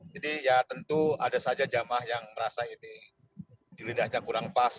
jadi ya tentu ada saja jamaah yang merasa ini dirindahnya kurang pas